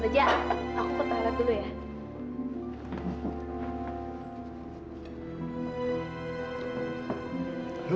baja aku potong alat dulu ya